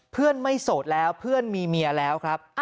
เพื่อนไม่โสดแล้วเพื่อนมีเมียแล้วครับ